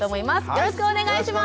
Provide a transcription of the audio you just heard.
よろしくお願いします。